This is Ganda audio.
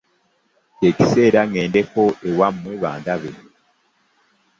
Kye kiseera ŋŋendeko ewammwe bandabe.